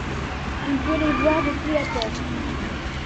On peut les voir depuis la Terre.